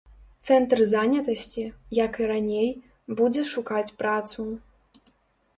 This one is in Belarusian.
Цэнтр занятасці, як і раней, будзе шукаць працу.